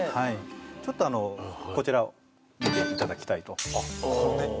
ちょっとこちらを見ていただきたいとあっ骨ああ